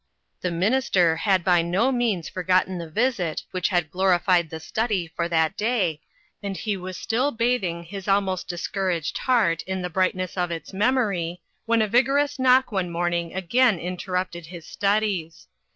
The minister had by no means forgotten the visit which had glorified the study for that day, and he was still bathing his almost discouraged heart in the brightness of its memory, when a vigorous knock one morning again inter BUD AS A TEACHER. 311 rupted his studies.